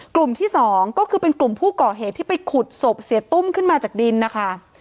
กลุ่มที่สองก็คือเป็นกลุ่มผู้ก่อเหตุที่ไปขุดศพเสียตุ้มขึ้นมาจากดินนะคะ